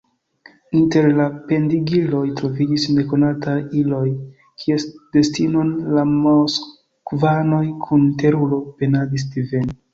Inter la pendigiloj troviĝis nekonataj iloj, kies destinon la moskvanoj kun teruro penadis diveni.